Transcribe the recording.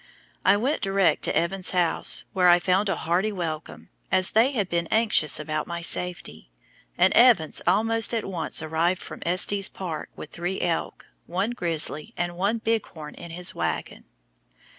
I went direct to Evans's house, where I found a hearty welcome, as they had been anxious about my safety, and Evans almost at once arrived from Estes Park with three elk, one grizzly, and one bighorn in his wagon.